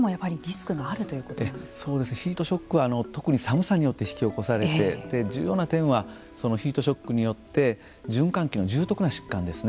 ヒートショックは特に寒さによって引き起こされて重要な点はヒートショックによって循環器の重篤な疾患ですね